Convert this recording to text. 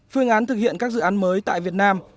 phương án thực hiện các dự án mới tại việt nam